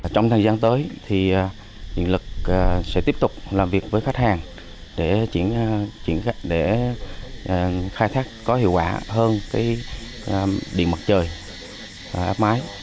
trong thời gian tới điện lực sẽ tiếp tục làm việc với khách hàng để khai thác có hiệu quả hơn điện mặt trời áp mái